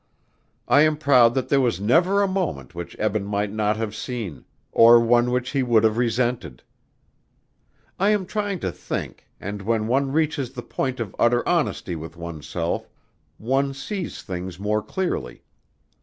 I am proud that there was never a moment which Eben might not have seen, or one which he would have resented. "I am trying to think, and when one reaches the point of utter honesty with oneself, one sees things more clearly.